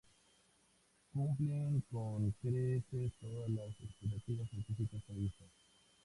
Cumplen con creces todas las expectativas científicas previstas.